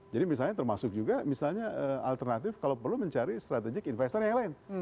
jadi misalnya termasuk juga misalnya alternatif kalau perlu mencari strategik investor yang lain